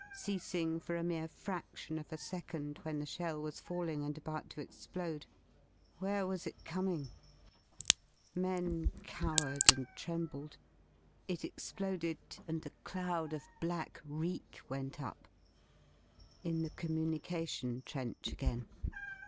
66 ceasing for a mere fraction of a second when the shell was A' falling and about to explode. Where was it coming? \P^ * Men cowered and trembled. It exploded, and a cloud Oi black reek went up — in the communication trench again.